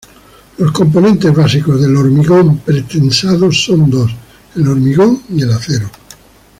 Los componentes básicos del Hormigón Pretensado son dos: el Hormigón y el Acero.